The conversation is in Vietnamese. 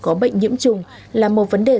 có bệnh nhiễm trùng là một vấn đề